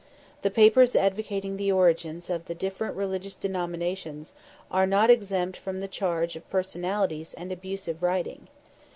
The papers advocating the opinions of the different religious denominations are not exempt from the charge of personalities and abusive writing.